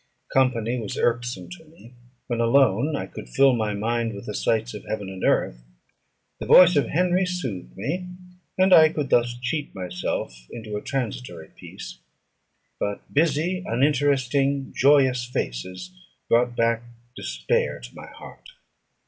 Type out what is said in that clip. Company was irksome to me; when alone, I could fill my mind with the sights of heaven and earth; the voice of Henry soothed me, and I could thus cheat myself into a transitory peace. But busy uninteresting joyous faces brought back despair to my heart.